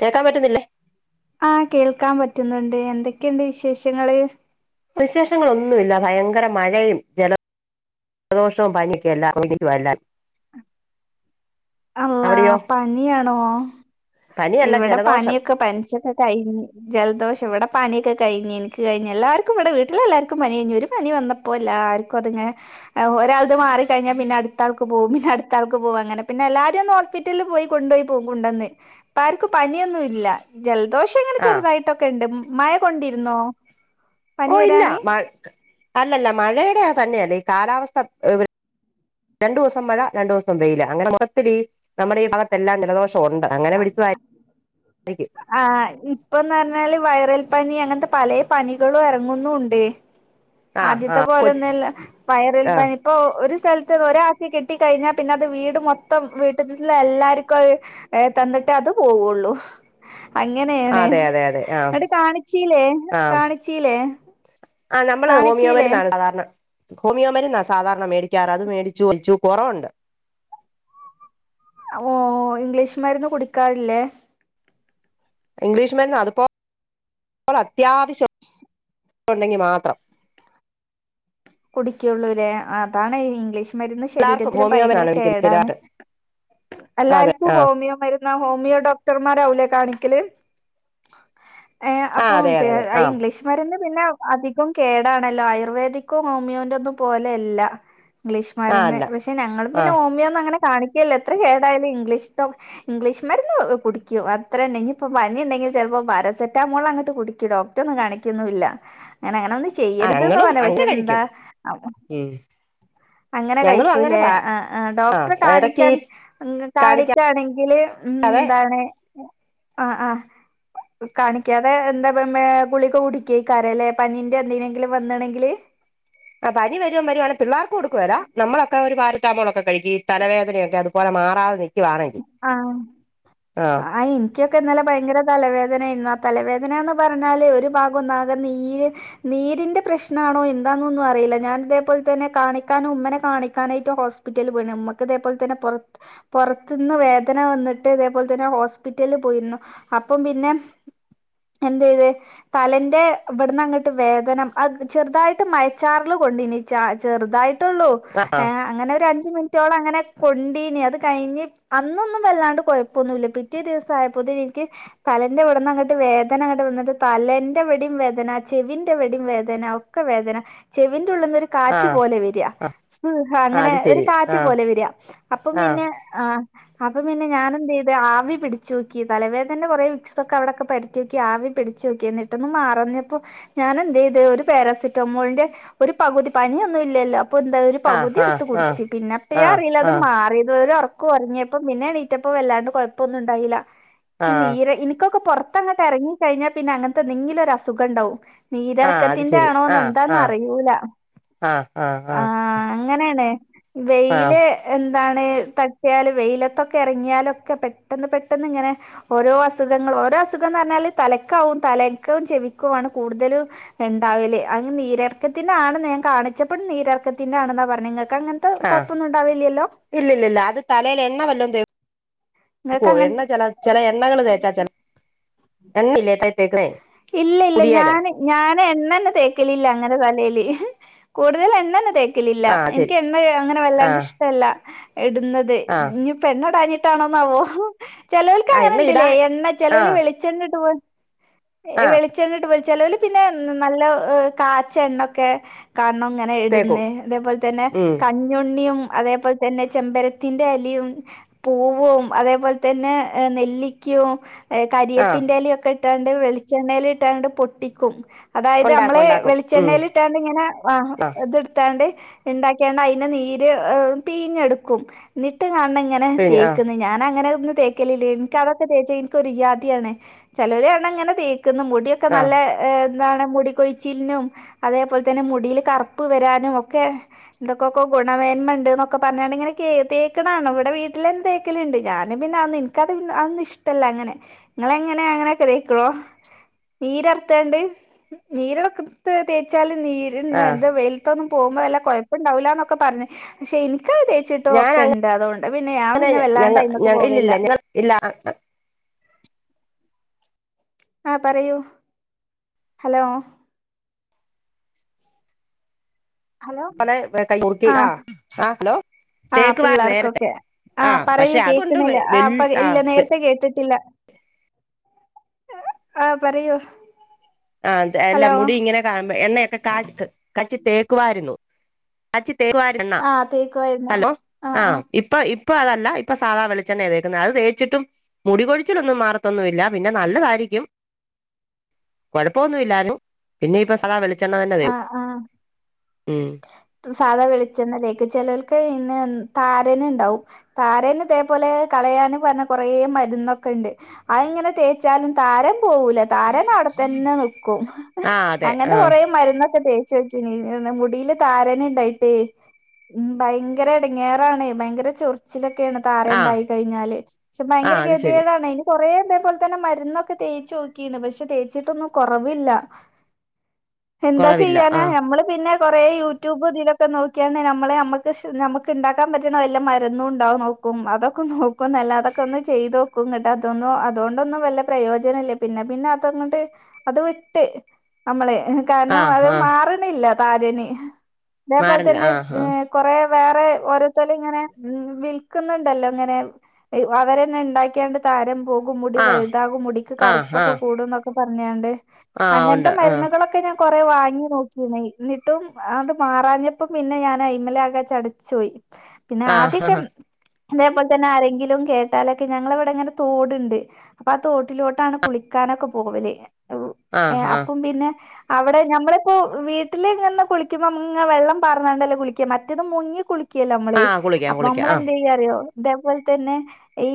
കേക്കാൻ പറ്റുന്നില്ലേ ആഹ കേൾക്കാൻ പറ്റുന്നുണ്ട് എന്തൊക്കെയുണ്ട് വിശേഷങ്ങള് വിശേഷങ്ങളൊന്നുല്ല ഭയങ്കര മഴയും ജല ദോഷവും പനി ഒക്കെ എല്ലാർക്കും [unintelligible] അല്ലാഹ് പനിയാണോ പനിയല്ല ഇവിടെ ജലദോഷം പനിയൊക്കെ പനിച്ചൊക്കെ കഴിഞ് ജലദോഷം ഇവിടെ പന്യോക്കെ കയിഞ് ന്ക് കഴിഞ് എല്ലാർക്കും വടെ വീട്ടിലെല്ലാർക്കും പനി കഴിഞ്ഞു ഒരു പനി വന്നപ്പോ എല്ലാർക്കുങ്ങനെ ഒരാൾ ക് മാറി കഴിഞ്ഞാ പിന്നെടുത്ത ആൾക്ക് പോവും പിന്നട്ത്താൾക്ക് പോവും അങ്ങനെ പിന്നെ എല്ലാർ [unintelligible] ഹോസ്പിറ്റല്ൽ പോയി കൊണ്ടോയി പ്പൊ കൊണ്ടന്ന് പ്പാർക്കും പനിയൊന്നു ല്ല ജൽ ദോഷംങ്ങനെ ആ ചെറുതായിട്ടൊക്കെ ണ്ട് മഴ കൊണ്ടിര്ന്നോ ഓ ഇല്ല മ അല്ലല്ല മഴേടെ തന്നെയല്ല ഈ കാലാവസ്ഥ രണ്ടുസം മഴ രണ്ടുസം വെയില് അങ്ങനെ മൊത്തത്തിലീ നമ്മുടെ ഈ ഭാഗത്തെല്ലാം ജലദോഷം ഉണ്ട് അങ്ങനെ പിടിച്ചതായിരിക്കും ആ ഇപ്പംന്നർഞ്ഞാല് വൈറൽ പനി അങ്ങൻത്തെ പലേ പനികളും എറങ്ങുന്നുണ്ട് ആ ആ ആദ്യത്തെ പോലെ കൊ ഒന്നുംല്ല ആ വയറൽപനി ഇപ്പൊ ഒരു സ്ഥൽത്ത് ഒരാക്ക് കിട്ടി കഴിഞ്ഞാ പിന്നെ അത് വീട് മൊത്തം വീട്ടിലുള്ള എല്ലാർക്കും അ തന്ന്ട്ടേ അത് പോവുള്ളൂ. അങ്ങനേണ് അതെ അതെ അതെ ആ ങ്ങട്ട് കാണിച്ചീലേ ആ കാണിച്ചീലേ മ്മൾ ഹോമിയോ കാണിച്ചീലേ മര്ന്നാണ് സാധാരണ ഹോമിയോ മരുന്നാ സാധാരണ മേടിക്കാറ് അത് മേടിച്ചു കുടിച്ചു കൊറവുണ്ട് ഓ ഇംഗ്ലീഷ്മര്ന്ന് കുടിക്കാറില്ലേ ഇംഗ്ലീഷ് മരുന്ന് അത്പ്പോ ള ത്യാവശ്യം ഒണ്ടെങ്കി മാത്രം കുടിക്ക്യോള്ളുലേ അതാണ് ഇംഗ്ലീഷ് മരുന്ന് എല്ലാർക്കും ശരീരത്തില് ഭയങ്കര ഹോമിയോപതിയാണ് മേടിക്കുന്നത് കേടാണ് സ്ഥിരമായിട്ട് അതെ എല്ലാർക്കും ആ ഹോമിയോ മരുന്ന് ഹോമിയോ ഡോക്ടർമാരാവൂലെ കാണിക്കല് ഏ ആ അതെ അപ്പം പെ അതെ അതെ അ ആ ഇംഗ്ലീഷ്മരുന്ന് പിന്നെ അധികം കേടാണല്ലോ ആയുർവേദിക് ക്കും ഹോമിയോന്റൊന്നും പോലെയല്ല ആ ഇംഗ്ലീഷ്മര്ന്ന് അല്ല പക്ഷെ ഞങ്ങൾ ആ പിന്നെ ഹോമിയോന്നുംങ്ങനെ കാണിക്കേല്ല ത്ര കേടായാലും ഇംഗ്ലീഷ്ട്ടം ഇംഗ്ലീഷ് മര്ന്ന് കുട്ക്കും അത്രന്നെ ഞ് പ്പം പനി ണ്ടെങ്കിൽ ചെല് പ്പോ പാരസെറ്റാമോൾ അങ്ങട്ട് കുടിക്കും ഡോക്റ്റെ ഒന്നും കാണിക്കൊന്നുല്ല ങ്ങനെ ങ്ങ നൊന്നും ആ ചെയ്യരുത് ന് ഞങ്ങളും പറഞ്ഞേ പക്ഷേ ക്ഷെ അങ്ങനെ എന്താ കഴിക്കും അ ഉം അങ്ങനെ ഞങ്ങളും അങ്ങനെ കഴിക്കൂല്ലേ പ ആ ആ ഡോക്ടറെ കാണിക്കാൻ കാണിക്കാതെ കാണിക്കാണെങ്കില് ഉം ന്താണ് ആ ആ കാണിക്കാതെ എന്താ പ്പം എ ഗുളിക കുടിക്കേക്കാര ലേ പനീന്റെ എന്തേനെങ്കിലും വന്നീണെങ്കില് ആ പനി വരും വരുവാണേ പിള്ളാർക്ക് കൊടുക്കുവേലാ നമ്മളൊക്കെ ഒരു പാര റ്റാമോളൊക്കെ കഴുക്കി തലവേനയൊക്കെ അതുപോലെ മാറാതെ നി ആ ആ ഇൻക്കൊക്കെ ന്നലെ ഭയങ്കര തലവേ നേയിരുന്നു ആ തലവേദന ന്ന് പറഞ്ഞാല് ഒരു ഭാഗം ഒന്നാകെ നീര് നീരിന്റെ പ്രശ്നാണോ എന്താന്നൊന്നും അറിയില്ല ഞാൻ ഇതേപോൽ തന്നെ കാണിക്കാനും ഉമ്മനെ കാണിക്കാനായിട്ട് ഹോസ്പിറ്റലിൽ പോയിന്ന് മ്മക്ക് ഇതേപോൽ തന്നെ പൊറത് പൊറത്ത്ന്ന് വേദന വന്നിട്ട് ഇതേപോൽ തന്നെ ഹോസ്പിറ്റലിൽ പോയിരുന്നു അപ്പം പിന്നെ എന്തെ യ്ത് തലന്റെ വട്ന്നങ്ങട്ട് വേദന അ ചെർതായിട്ട് മയച്ചാറൽ കൊണ്ടീനി ച ചെറുതായി ട്ടുള്ളൂ ആ എ അങ്ങനെ ഒരു അ ഞ്ച് മിനിറ്റോളം അങ്ങനെ കൊണ്ടീന് അത് കഴിഞ്ഞ് അന്നൊന്നും വല്ലാണ്ട് കൊഴപ്പൊന്നുല്ല പിറ്റേ ദിവസം ആയപ്പോത്തേനും ഇനിക്ക് തലന്റെ ഇവിടന്നങ്ങട്ട് വേദന അങ്ങട് വന്നിട്ട് തലന്റെവിടെം വേദന ചെവിന്റെവിടെം വേദന ഒക്കെ വേദന ചെവി ന്റുള്ളുന്ന് ഒരു ആ കാറ്റ് പോലെ വര [unintelligible] ആ അങ്ങനെ അത് ഒരു ശരി ആ കാറ്റ് പോലെ വര അപ്പം ആ പിന്നെ അപ്പൊ പിന്നെ ഞാനെന്ത്‌ ചെയ്ത് ആവി പിടിച്ച് നോക്കി തലവേദനേന്റെ കൊറേ വിക്സൊക്കെ അവിടൊക്കെ പെരട്ടി നോക്കി ആവി പിടിച്ച് നോക്കി എന്നിട്ടൊന്നും മാറഞ്ഞപ്പോ ഞാൻ എന്ത് ചെയ്ത് ഒരു പാരസെറ്റമോളിന്റെ ഒരു പകുതി പനിയൊന്നും ഇല്ലല്ലോ അപ്പൊ ന്താ ഒരു ആ പകുതി ആ എടുത്ത് ആ കുടിച്ച് ആ പിന്നെപ്പഴാ അറീല്ല ആ അത് മാറിയത് ഒരു ഒറ ഒറങ്ങിയപ്പം പിന്നെ എണീറ്റപ്പം വല്ലാണ്ട് കൊഴപ്പൊന്നും ഉണ്ടായില്ല. ആ ഇ നീര് ഇനിക്കൊക്കെ പൊറ ത്തങ്ങട്ട് ഇറങ്ങിഴഞ്ഞാൽ പിന്നെ അങ്ങനത്തെന്തെങ്കിലും ഒരു അസുഖണ്ടാവും. ആ അത് നീരെറക്കത്തിന്റെ ശരി ആ ആണോന്ന് എന്താന്ന് ആ അറിയൂല ആ ആ ആ ആഹ് അങ്ങനേണ് ആ വെയില് എ [unintelligible] [unintelligible] വെയിലത്തൊക്കെ എറങ്ങിയാലൊക്കെ പെട്ടെന്ന് പെട്ടെന്ന് ഇങ്ങനെ ഓരോ അസുഖങ്ങൾ ഓരോ അസുഖന്ന് പറഞ്ഞാൽ തലക്കാവും തലക്കും ചെവിക്കുവാണ് കൂടുതലും ഇണ്ടാവല് അത് നീരെറക്കത്തിന്റെ ആണ്ന്ന് കാണിച്ചപ്പോഴും നീരെറക്കത്തിന്റെ ആണ്ന്നാ പറഞ്ഞെ ഇങ്ങ അ‌ങ്ങനത്തെ കൊഴപ്പൊന്നും ഇണ്ടാവില്ലല്ലോ തലേൽ എണ്ണ വല്ലോം തേ നിങ്ങൾക്ക് എണ്ണ ചെല അങ്ങനെ ചെല എണ്ണകൾ തേച്ചാ ചെല എണ്ണില്ലേ [unintelligible] ത്തേയ്ക്കണെ ഇല്ല ഇല്ല ഞാന് ഞാന് എണ്ണന്നെ തേക്കലില്ല അങ്ങനെ തല ലേല് ഇഹ് കൂടുതൽ എണ്ണേന്നെ തേ ക്കലില്ല ആ ശരി എനിക്ക് എണ്ണ എ അങ്ങനെ ആ വല്ലാണ്ട് ഇഷ്ടല്ല ഇടുന്നത് ആ ഇഞ് ഇപ്പോ എണ്ണടാന് ട്ടാണോന്നാവോ ചെലോൽക്ക് ആ അങ്ങനെ എണ്ണ ഇണ്ട്ല്ലേ ഇടാൻ എണ്ണ ആ ചെലോൽ വെളിച്ചെണ്ണ ഇട്ട് പോ ആ വെളിചെണ്ണിട്ട് വെളിച്ച ചെലോൽ പിന്നെ നല്ല എ കാച്ചിയ എണ്ണൊക്കെ കാരണം ഇങ്ങനെ തേക്കും ഇടുന്നെ അതേപോലെ തന്നെ ഉം കഞ്ഞുണ്ണിയും അതേപോലെ തന്നെ ചെമ്പരത്തിന്റെ എലയും പൂവും അതേപോലെ തന്നെ നെല്ലിക്കയും ഏ ആ കരിയപ്പിന്റെലയും ഒക്കെ ട്ടാണ്ട് [unintelligible] ച്ചെണ്ണേൽ ഇട്ടങ്ങട് പൊട്ടിക്കും അതായത് ഉണ്ടാക്കും അമ്മള് ഉണ്ടാക്കും ഉം വെളിച്ചെണ്ണേൽ ഇട്ടാണ്ട് ഇങ്ങനെ ആ ഇതെടുത്താണ്ട് ഇണ്ടാക്ക്യാണ്ട് അതിന്റെ നീര് പീഞ്ഞെടുക്കും ന്നിട്ട് കാണങ്ങനെ പിഴിഞ്ഞ് ആ തേക്കന്ന് ഞാനങ്ങനെ തേക്കലില്ലേനു എനിക്കതൊക്കെ തേച്ച എനിക്കൊരു യാദിയാണ് ചിലൊര് കാണങ്ങനെ തേ തിന്ന് മുടിയൊക്കെ ആ നല്ല എന്താണ് മുടികൊഴിച്ചിലിനും അതേപോലെ തന്നെ മുടീല് കറുപ്പ് വരാനും ഒക്കെ എന്തൊകൊക്കൊ ഗുണമേന്മ ഇണ്ട് ന്നൊക്കെ പറഞ്ഞാണ്ട് ഇങ്ങനെ തേക്ക്ണാണ ഇവിടെ വീട്ടില് എന്ത തേക്കല്ണ്ട് ഞാനും പിന്നെ അ എനിക്കത് അതന്നും ഇഷ്ടമല്ല അങ്ങനെ നിങ്ങള ങ്ങനെ അങ്ങനെയൊക്കെ തേക്കോ നീരർത്താണ്ട് നീരറക്കത്ത് തേച്ചാൽ നീര്ന്ത ആ എന്താ വെയിലത്തൊന്നും പോകുമ്പോ വല്ല്യ കൊഴപ്പം ഉണ്ടാവുല്ലാന്നൊക്കെ പറഞ്ഞ് പക്ഷെ എനിക്ക് ക്ക് തേച്ചിട്ടും ഞാൻ ഒക്കെ ഇണ്ട് അതുകൊണ്ട് പിന്നെ ഞാൻ അങ്ങനെ പിന്നെ ഞങ്ങ ഞ വെല്ലാണ്ട്യ്മക്ക് പോവേല്ല ഇല്ലില്ല ഞങ്ങൾ ഇല്ല ആഹ് പറയൂ ഹലോ ഹലോ പോലെ കൈ മുറുക്കി ആ ആ ഹലോ ആ തേക്കുവാരുന്നു നേരത്തെ പിള്ളേർക്കൊക്കെ ആ പറയൂ പക്ഷെ അതുകൊണ്ട് കേക്ക്ണില്ല വല് അപ്പ ആ ഇല്ല നേരത്തെ കേട്ടിട്ടില്ല ആ പറയൂ ആ അല്ല ഹലോ മുടി ഇങ്ങനെ കാണുമ്പോ എണ്ണ കാൽക്ക് കച്ചി തേക്കുവായിരുന്നു [unintelligible] ഹലോ ആ ഇപ്പൊ ഇപ്പൊ അതല്ല ഇപ്പൊ സാധാ വെളിച്ചെണ്ണ തേക്കുന്നത് അത് തേച്ചിട്ടും മുടകൊഴിച്ചിലൊന്നും മാറത്തൊന്നുല്ല പിന്നെ നല്ലതായിരിക്കും കുഴപ്പമൊന്നു ഇല്ലാനും പിന്നെ ഇപ്പ സദാ വെളി ആ ആ ഉം സാധാ വിെളിച്ചെണ്ണ തേക്കാ ചെലോൽ ക്ക് ഇന്നെ താരന് ഉണ്ടാവും താരന് ഇതേപോലെ കളയാൻ പറഞ്ഞ കുറേ മരുന്നൊക്കെ ഇണ്ട് അതിങ്ങനെ തേച്ചാലും താരൻ പോവൂല താരൻ അവിടെത്തന്നെ നിക്കും ആഹ് അതെ അങ്ങനത്തെ ആഹ് കൊറേ മരുന്നൊക്കെ തേ [unintelligible] മുടീൽ താരന്ണ്ടായിട്ടെ ഉം ഭയങ്കര എടങ്ങേറാണ് ഭയങ്കര ചൊറിച്ചിലൊ ക്കെയാണ് താരൻ ആഹ് ഉണ്ടായി കഴിഞ്ഞാല് പക്ഷെ ഭയങ്കര ആഹ് അത് ശരി കെദ്യേടാണ് കൊറേ അതേപോലെ തന്നെ മരുന്നൊക്കെ തേച്ച് നോക്കീണ് പക്ഷെ തേച്ചിട്ടൊന്നും കൊറവില്ല എന്താ കുറവില്ല ചെയ്യാനാ ആഹ് നമ്മള് പിന്നെ കൊറെേ യൂട്യൂബ് ഇതിലൊക്കെ നോക്കിയാണ്ട് നമ്മള് നമ്മക്ക് ഇഷ് നമ്മക്ക് ഇണ്ടാക്കാൻ പറ്റ്ണ വല്ല മരുന്നും ഉണ്ടാവും നോക്കും അതൊക്കെ നോക്കും നല്ലാതെ അതൊക്കെ ഒന്ന് ചെയ്ത് നോക്കും ന്നട്ട് അതൊന്നും അതോണ്ടൊന്നും വല്ല പ്രയോജനം ഇല്ലേ പിന്നെ പിന്നെ അതങ്ങോട്ട് അത് വിട്ട് നമ്മള് കാരണം ആഹ് അത് ആഹ് മാറ്ണില്ല താരന് അതേപോലെ മാറില്ല തന്നെ ആഹ് കൊറേ വേറെ ഓരോത്തരും ഇങ്ങനെ ഉം വിൽക്കുന്നുണ്ടല്ലോ ഇങ്ങനെ അവരെന്നെ ഇണ്ടാക്കിയാണ്ട് താരം പോകും മുടി ആഹ് വലുതാകും മുടിക്ക് ആഹ് കറുപ്പൊക്കെ ആഹ് കൂടും ന്നൊക്കെ പറഞ്ഞാണ്ട് ആഹ് അങ്ങനത്തെ ഉണ്ട് ആഹ് മരുന്നുകളൊക്കെ ഞ കൊറെ വാങ്ങി നോക്കിണേ എന്നിട്ടും അത് മാറാഞ്ഞപ്പം പിന്നെ ഞാന് ഇന്നലെ ആകെ ചടിച്ച്പോയി പിന്നെ ആഹ് ആദ്യക്കം ആഹ് അതേപോലെ തന്നെ ആരെങ്കിലും കേട്ടാലൊക്കെ ഞങ്ങള ഇവിടെ ഇങ്ങനെ തോടുണ്ട് അപ്പൊ ആ തോട്ടിലോട്ടാണ് കുളിക്കാനൊക്കെ പോവുകല്. [unintelligible] ആഹ് ആഹ് ഏഅപ്പം പിന്നെ അവിടെ നമ്മളിപ്പോ വീ ഇതിലെങ്ങെന കുളിക്കുമ്പോ ഇങ്ങ വെള്ളം പാർന്നാണ്ടല്ലേ കുളിക്ക മറ്റത് മുങ്ങി കുളി ക്കില്ല നമ്മളെ ആഹ് കുളിക്കാം അപ്പൊ കുളിക്കാം ആഹ് നമ്മളെന്താ ചെയ്യ അറിയോ? ഇതേപോലെ തന്നെ ഈ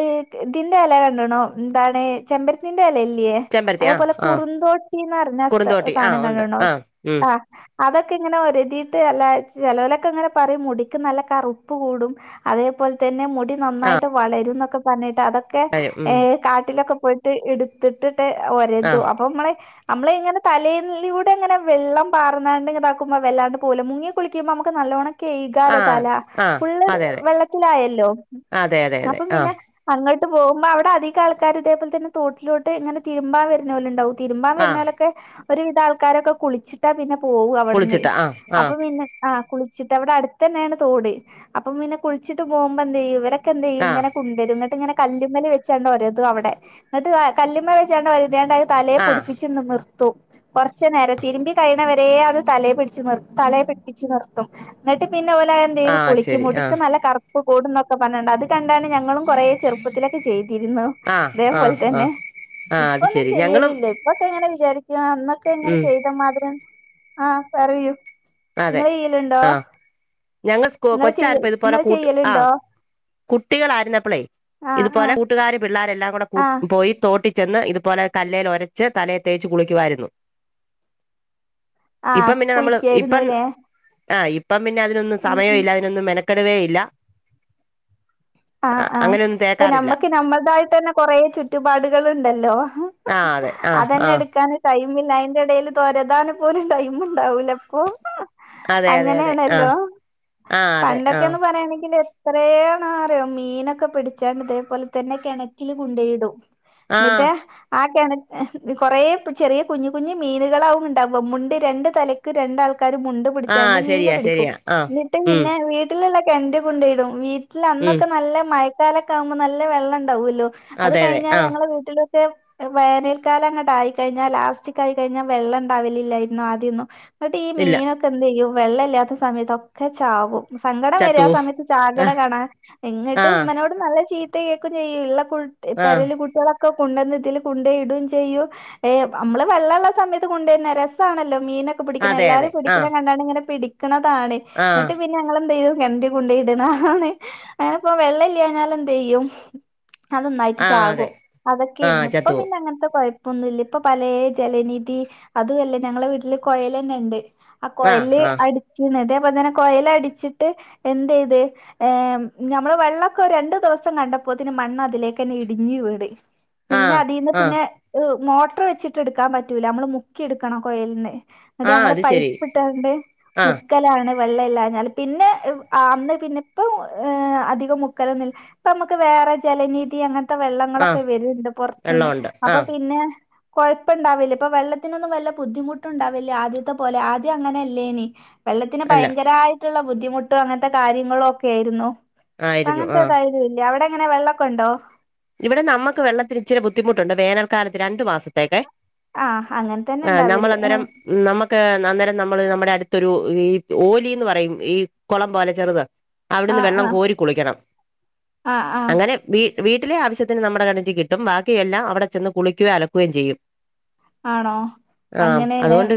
ഇ ഇതിന്റെ ഇല കണ്ടണോ എന്താണ് ചെമ്പരത്തിന്റെ എല ന്തിയേ ചെമ്പരത്തി ആഹ് അതേപോലെ ആഹ് കുറുന്തോട്ടിന്ന്റിഞ്ഞ കുറുന്തോട്ടി സാധനം ആഹ് ഉണ്ട് കണ്ടണ്ടോ? ആഹ് ഉം അതൊക്കെ ഇങ്ങനെ ഒരുതിയിട്ട് അല്ല ചിലവലൊക്കെ ഇങ്ങനെ പറയും മുടിക്ക് നല്ല കറുപ്പ് കൂടും, അതേപോലെ തന്നെ ടി ആഹ് നന്നായിട്ട് വളരൊക്കെ പനേൽ ട അതൊക്കെ വരും ഏ ഉം കാട്ടിലൊക്കെ പോയിട്ട് എടുത്തിട്ട് ട്ട് ഒരതും ആഹ് അപ്പൊ നമ്മളെ നമ്മള ഇങ്ങനെ തലയിലിലൂടെ ഇങ്ങനെ വെള്ളം പാറന്നാണ്ട് ഇതാക്കുമ്പോ വല്ലാണ്ട് പോല മുങ്ങി കുളിക്കുമ്പോ നമക്ക് നല്ലോണം തീ കാല ആഹ് തല ആഹ് പുള്ള് അതെ അതെ വെള്ളത്തിലായല്ലോ അതെ അതെ അതെ അപ്പൊ ആഹ് പിന്നെ അങ്ങ ട്ട് പോക്മ്പം അവിടെ അധിക ആൾക്കാര് ഇതേപലെ തന്ന തോട്ടിലോട്ട് ഇങ്ങനെതിരുമ്പാൻ വരുന്ന പോല ഉണ്ടാവും. തിരുമ്പാൻ ആ വരുന്നാലൊക്കെ ഒരുവിധ ആൾക്കാരൊക്കെ കുളിച്ചിട്ടാ പിന്നെ പോക അവിടുന്ന് കുളിച്ചിട്ട് ആ ആ അപ്പൊ പിന്നെ ങ കുളി വെച്ചിട്ട് അവിടെ അടുത്ത് തന്നെയാണ് തോട് അപ്പം പിന്നെ കുളിച്ചിട്ട് പോകുമ്പോ എന്ത് ചെയ്യു ഇവര് ക്കെ എന്ത് ചെയ്യും ആ ഇങ്ങനെ കുണ്ടരുന്നിട്ട്ങ്ങനെ കല്ലുമ്മല് വെച്ചാണ്ട് ഒരതു അവിടെ എന്നിട്ട് അ കല്ലുമ്മ വെച്ചോണ്ട് ഒരച്ചോണ്ടയ തലയെ ആ പുഴുപ്പിച്ച് എണ്ണ്ന്ന്. തു കുറച്ച് നേര തിരുമ്പി കഴിഞ്ഞവരെ അത് തലയ പിടിച്ച് നിർ തലയെ പിടിപ്പിച്ച് നിർത്തും എന്നിട്ട് പിൻ ഇന്നപോലെ എന്ത് ആ ചെയ്തു കുളിക്കും ശരി ആ മുടിക്ക് നല്ല കറ [inaudible] കൂടുന്നൊക്കെ പറഞ്ഞട്ടണ്ട് അത് [unintelligible] അതണ്ടാണ് ഞങ്ങളും കൊറ ചെറുപ്പത്തിലൊക്കെ ചെയ്തിരുന്നു, ആ ആ ഇതേപോലെ ആ തന്നെ ആ അത് ഇപ്പൊന്നും ശരി ഞങ്ങളും ചെയ്യലില്ല ഇപ്പൊക്കെങ്ങനെ ശെരി യ അന്നൊക്കെ അങ്ങനെ ഉം ചെയ്ത മാതിരം ആ പറയൂ അതെ ഇങ്ങള് ചെയ്യലുണ്ടോ ആ ഞങ്ങൾ ഇങ്ങള് ചെയ്യ കൊച്ചായപ്പോൾ ഇതുപോലെ ഇങ്ങള് കൂട്ട് ആ ചെയ്യലുണ്ടോ കുട്ടികളായിരുന്നപ്പളേ ആഹ് ഇതുപോലെ ആഹ് കൂട്ടുകാര് പിള്ളേരെല്ലാം കൂടെ ആഹ് പോയി തൊ തോട്ടിച്ചെന്ന് ഇതുപോലെ കല്ലേൽ ഒരച്ച് തലയിൽ തേച്ചു കുളിക്കുവായിരുന്നു ആ കുളിക്ക ഇപ്പം ആഹ് ഇ ഇപ്പം പിന്ന അതിനൊന്നും ഉം ഉം സമയമില്ല അതിനൊന്നും മെന ക്കെടുവേം ഇല്ല ആ അങ്ങനെയൊന്നും ആഇപ്പൊ തേക്കാറില്ല നമ്മക്ക് നമ്മളതായിട്ട് തന്നെ കൊറേ ചുറ്റുപാടുകൾ ഉണ്ടല്ലോ ആ അതെ ആ ആ മില്ല അതിന്റെ ഇടേൽ ഇതൊരുതാൻ ടൈം ഉണ്ടാവൂല അപ്പൊ അതെ അതെ അതെ ആ അങ്ങനെയാണല്ലോ ആ അതെ ആ പണ്ടൊക്കെന്ന് പറയണെങ്കില് എത്രയാണ് മീനൊക്കെ പിടിച്ചാൽ ഇതേപോലെ തന്നെ കിണറ്റിൽ കൊണ്ടോയിടും ആ ന്നിട്ടേ ആ കുറേ ചെറിയ കുഞ്ഞു കുഞ്ഞു മീനുകളാവും ഉണ്ടാവുക മുണ്ട് രണ്ട് തലക്ക് രണ്ട് ആൾക്ക ക്കാര് മുണ്ട് ആ പിടിച്ചാണ്ട് മീനെ ശരിയാ പിടിക്കും ശരിയാ ആ എന്നിട്ട് ഉം പിന്നെ വീട്ടിലുള്ള കെണറ്റിൽ കൊണ്ടിടും മീൻ ഇല്ല ഉം അന്ന മഴക്കാലൊക്കെ ആവുമ്പോ നല്ല വെള്ളം ണ്ട് വല്ലോ അത് അതെ അതെ കഴിഞ്ഞാ ആഹ് ഞങ്ങളെ വീട്ടില് വേനൽക്കാലം അങ്ങോട്ട് ആയി കഴിഞ്ഞാൽ ലാസ്റ്റൊക്കെ ആയി കഴിഞ്ഞാൽ വെള്ളം ഉണ്ടാവില്ലായിരുന്നു ആദ്യൊന്നും ന്നട്ട് ഈ ഇല്ല മീനെയൊക്കെ എന്തെയ്യും വെള്ളം ഇല്ലാത്ത സമയത്തൊക്കെ ചാവും സങ്കടം വരും ആ ചത്തുപോവും സമയത്ത് ചാകണ ആഹ് കാണാൻ എന്നിട്ട് ആഹ് ഉമ്മനോട് പറ ചീത്ത കേൾക്കും ചെയ്യും ഉള്ള ആഹ് പരല് കുട്ടി കള ഒക്ക കൊണ്ടന്ന് ഇതിൽ കൊണ്ടോയി ഇടും ചെയ്യും ഏയ് നമ്മള് വെള്ളമുള്ള സമയത്ത് കൊണ്ടുന്ന രസാണല്ലോ മീനൊക്കെ പിടിക്കുന്ന അതെ അതെ എല്ലാരും ആഹ് പിടിക്കുന്നത് കണ്ടാണ് ഇങ്ങനെ പിടി വെയ്ക്കണതാണ് ആഹ് എന്നിട്ട് പിന്നെ ഇങ്ങള് എന്ത്‌ ചെയ്തു കിണറ്റിൽ കൊണ്ട് ഇടുന്നെആണ് അങ്ങനിപ്പം വെള്ളം ഇല്ലാഞ്ഞാല് എന്ത് ചെയ്യും അതൊന്നായിട്ട് ആഹ് ചാകുവോ അതെ അതൊക്കെ ആഹ് ഇരുന്നു ഇപ്പം ചത്തുപോവും പിന്നെ അങ്ങനത്തെ കൊഴ കൊഴപ്പമൊന്നുമില്ല ഇപ്പൊ പലേ ജലനിധി അതുമല്ല ഞങ്ങളെ വീട്ടില് കൊഴൽ തന്നെ ഉണ്ട് ആ കൊഴൽ ആഹ് ആഹ് അടിക്കുന്നത് അപ്പം തന്നെ കൊഴൽ അടിച്ചിട്ട് എന്ത് ചെയ്ത് ഞമ്മള് വെള്ളൊക്കെ ഒരു രണ്ടു ദിവസം കണ്ടപ്പോതിന് മണ്ണ് അതിലേക്ക് തന്നെ ഇടിഞ്ഞു വീണ് പിന്നെ ആഹ് അതീന്ന് ആഹ് പിന്നെ മോട്ടർ വച്ചിട്ട് എടുക്കാൻ പറ്റൂല നമ്മള് മുക്കി എടുക്കണം കൊയലിന്ന് ഇവിടെ ആഹ് ഞങ്ങള് അത് ശരി പൈപ്പിട്ടോണ്ട് ആഹ് മുക്കലാണ് വെള്ളം ഇല്ലാഞ്ഞാല് പിന്നെ അന്ന് പിന്നെ ഇപ്പം അധികം മുക്കലൊന്നു ഇപ്പം നമുക്ക് വേറെ ജലനിധി അങ്ങന [unintelligible] വെള്ളങ്ങളൊക്കെ ആഹ് വരുണ്ട് പൊറത്തൂന്ന് വെള്ളമുണ്ട് അപ്പൊ ആഹ് പിന്നെ കൊഴപ്പുണ്ടാവില്ല ഇപ്പൊ വെള്ളത്തിനൊന്നും വെല്ല ബുദ്ധിമുട്ടുണ്ടാവില്ല ആദ്യത്തെ പോലെ ആദ്യം അങ്ങനെ അല്ലേനി വെള്ളത്തിന് അല്ല ഭയങ്കരായ് വെള്ളത്തിൽ ഉള്ള ബുദ്ധിമുട്ടും അങ്ങനത്തെ കാര്യങ്ങളും ഒക്കെ ആയി രുന്നോ ആയിരുന്നു ആഹ് അങ്ങനത്തെതായിട്ട് ഇല്ല അവിടെ എങ്ങനെ വെള്ളൊക്കെ ഉണ്ടോ ഇവിടെ നമുക്ക് വെള്ളത്തിന് ഇച്ചിരി ബുദ്ധിമു ഉണ്ട് വേനൽക്കാലത്ത് രണ്ടു മാസ ആഹ് അങ്ങനെ തന്നെ ആ നമ്മൾ ഉണ്ടാവല് ആ അന്നേരം നമുക്ക് അന്നേരം നമ്മള് നമ്മുടെ അടു ഒരു ഈ ഓലീന്ന് പറയും ഈ കുളം പോലെ ചെറുത് അവിടുന്ന് ആഹ് വെള്ളം ആഹ് കോരി കുളിക്കണം ആഹ് ആഹ് അങ്ങനെ വീ വീ വീട്ടിലെ ആവശ്യത്തിന് നമ്മുടെ കിണറ്റി കിട്ടും ബാക്കിയെല്ലാം അവിടെ ചെന്ന് കുളിക്കുകയും അലക്കുകയും ചെയ്യും ആണോ ആഹ് അങ്ങനെയല്ലേ അതുകൊണ്ട്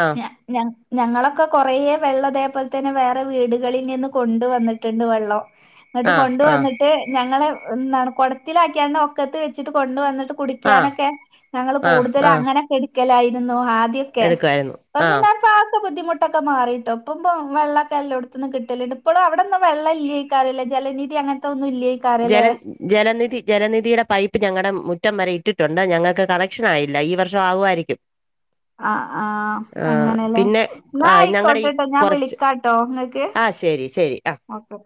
ആഹ് ഞ ഞങ്ങളൊക്കെ കുറേ വെള്ളം അതേപോലെ തന്നെ വേറെ വീടുകളിൽ നിന്ന് കൊണ്ട് വന്നിട്ടുണ്ട് വെള്ളം എന്നിട്ട് ആഹ് കൊണ്ട് ആഹ് വന്നിട്ട് ഞങ്ങള് നട കൊടത്തില് ആക്കിയാണ് ഒക്കത്ത് വെച്ചിട്ട് കൊണ്ട് വന്ന് ആഹ് കുടിക്കാനൊക്കെ ഞങ്ങള് ആഹ് കൂടു [unintelligible] ആഹ് അങ്ങനെ പേടി ക്കലായിുന്നോ [inaudible] ആൊക്കെ [unintelligible] എടുക്കുവായിരുന്നു ആഹ് അപ്പൊാ ബുദ്ധിമുട്ടൊക്കെ മാറിയിട്ടോ ഇപ്പം ഇ വെള്ളൊക്കെ എല്ലോടത്ത്ന്നും കിട്ടല്ണ്ട് ഇപ്പളും അവിടൊന്നും വെള്ള ഇല്യെക്കാര ലേ ജലനിധി അങ്ങനത്തൊന്നും ജല ജലനിധി ജലനിധിയുടെ പൈപ്പ് ഞങ്ങടെ മു റ്റം വരെ ഇട്ടിട്ടുണ്ട് ഞങ്ങൾക്ക് കണക്ഷൻ ആയില്ല ഈ വർഷം ആവു വായിരിക്കും ആ ആ അങ്ങനെല്ലേ പിന്നെ എന്നാ ആഹ് ഞങ്ങളുടെ ഈ ആയിക്കോട്ടെട്ടോ ഞാൻ കുറച്ച് വിളിക്കാട്ടോ ഇങ്ങക്ക് ആഹ് ശരി ശരി ആഹ് ഓക്കെ